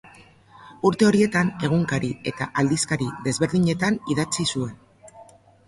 Urte horietan egunkari eta aldizkari desberdinetan idatzi zuen.